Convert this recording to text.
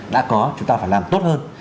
đã có chúng ta phải làm tốt hơn